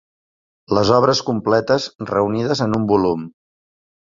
Les obres completes reunides en un volum.